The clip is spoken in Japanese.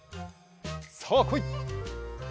さあこい。